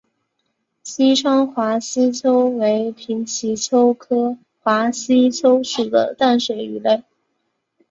西昌华吸鳅为平鳍鳅科华吸鳅属的淡水鱼类。